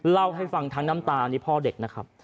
เล่าให้ฟังทั้งน้ำตานี่พ่อเด็กนะครับ